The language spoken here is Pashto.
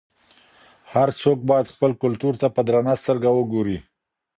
هر څوک باید خپل کلتور ته په درنه سترګه وګوري.